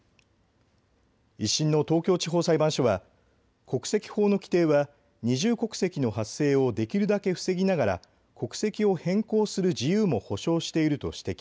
１審の東京地方裁判所は国籍法の規定は二重国籍の発生をできるだけ防ぎながら国籍を変更する自由も保障していると指摘。